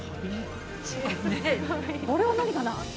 これは何かな？